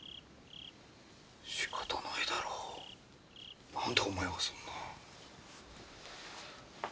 しかたないだろう何でお前がそんな。